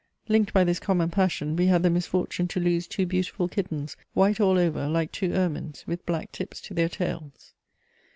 Linked by this common passion, we had the misfortune to lose two beautiful kittens, white all over, like two ermines, with black tips to their tails.